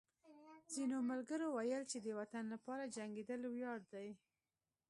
ځینو ملګرو ویل چې د وطن لپاره جنګېدل ویاړ دی